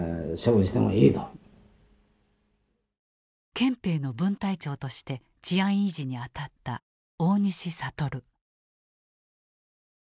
憲兵の分隊長として治安維持に当たった大西覚。